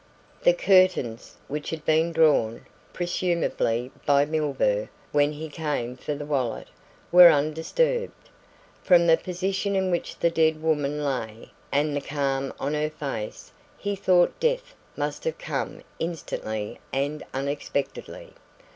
The curtains, which had been drawn, presumably by Milburgh when he came for the wallet, were undisturbed. From the position in which the dead woman lay and the calm on her face he thought death must have come instantly and unexpectedly.